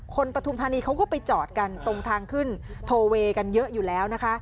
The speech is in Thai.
ปฐุมธานีเขาก็ไปจอดกันตรงทางขึ้นโทเวย์กันเยอะอยู่แล้วนะคะ